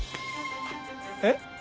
えっ？